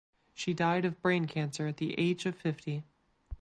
She died of brain cancer at the age of fifty.